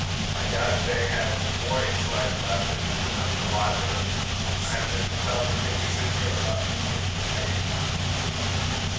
I doubt if they have more intellect left than just enough to lie with. I have been compelled to think a good deal about these things of late."